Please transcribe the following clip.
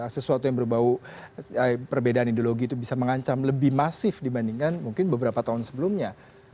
sesuatu yang berbau perbedaan ideologi itu bisa mengancam lebih masif dibandingkan mungkin beberapa tahun sebelumnya